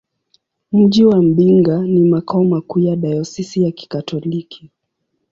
Mji wa Mbinga ni makao makuu ya dayosisi ya Kikatoliki.